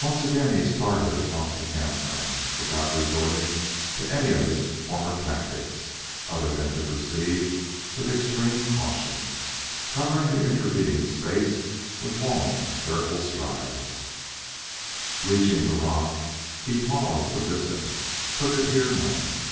Once again he started across the camp ground, without resorting to any of his former tactics, other than to proceed with extreme caution, covering the intervening space with long, careful strides. Reaching the rock, he paused to listen, but could hear nothing.